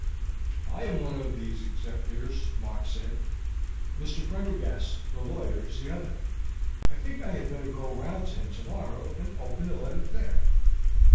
"I am one of his executors," Mark said; "Mr. Prendergast, the lawyer, is the other. I think I had better go round to him tomorrow and open the letter there."